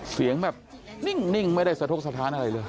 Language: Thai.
เสียงแบบนิ่งไม่ได้สะทกสถานอะไรเลย